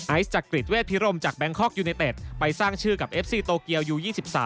จักริตเวทพิรมจากแบงคอกยูเนเต็ดไปสร้างชื่อกับเอฟซีโตเกียวยู๒๓